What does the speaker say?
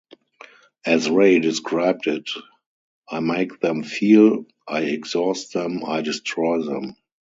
As Ray described it, I make them feel, I exhaust them, I destroy them.